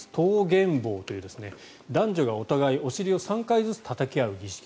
蕩減棒という男女がお互いにお尻を３回ずつたたき合う儀式。